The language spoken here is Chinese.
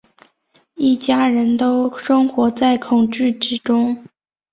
一家人都生活在恐惧之中